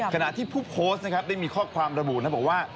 ขณะที่ผู้โพสต์ได้มีข้อความระบุบอกว่า